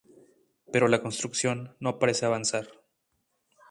Pero la construcción no parece avanzar.